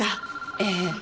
ええ。